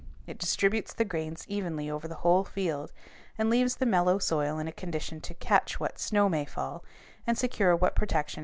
It distributes the grains evenly over the whole field and leaves the mellow soil in a condition to catch what snow may fall and secure what protection it affords.